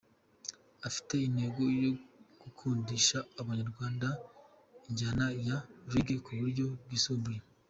Afite intego yo gukundisha abanyarwanda injyana ya Reggae ku buryo bwisumbuyeho.